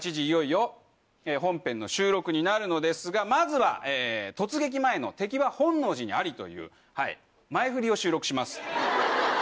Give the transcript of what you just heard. いよいよ本編の収録になるのですがまずは突撃前の「敵は本能寺にあり」という前フリを収録します。